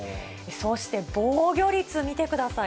そうして防御率見てください。